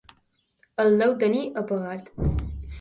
El deu tenir apagat.